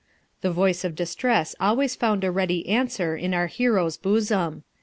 The voice of distress always found a ready answer in our hero's bosom.